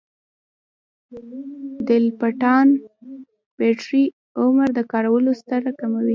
د لپټاپ بیټرۍ عمر د کارولو سره کمېږي.